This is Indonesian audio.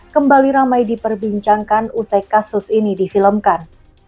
kembali ramai diperbincangkan usai kasus ini difilmkan